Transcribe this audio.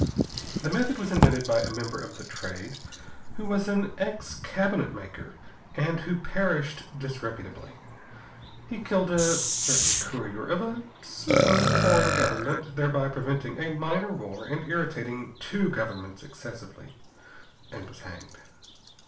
The method was invented by a member of The Trade who was an ex cabinet maker, and who perished disreputably. He killed a certain courier of a certain foreign government, thereby preventing a minor war and irritating two governments excessively, and was hanged.